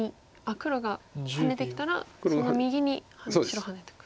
黒がハネてきたらその右に白ハネていく。